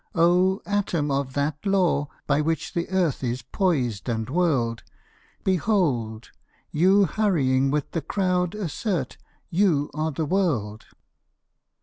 "O atom of that law, by which the earth Is poised and whirled; Behold! you hurrying with the crowd assert You are the world."